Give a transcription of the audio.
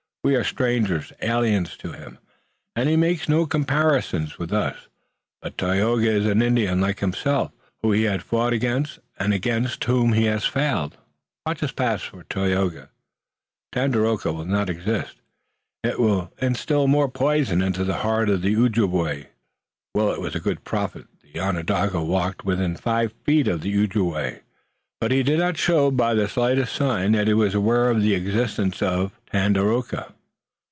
We are strangers, aliens to him, and he makes no comparisons with us, but Tayoga is an Indian like himself, whom he has fought against, and against whom he has failed. Watch us pass. For Tayoga, Tandakora will not exist, and it will instill more poison into the heart of the Ojibway." Willet was a good prophet. The Onondaga walked within five feet of the Ojibway, but he did not show by the slightest sign that he was aware of the existence of Tandakora.